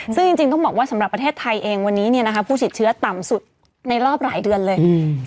ซึ่งจริงต้องบอกว่าสำหรับประเทศไทยเองวันนี้ผู้ติดเชื้อต่ำสุดในรอบหลายเดือนเลย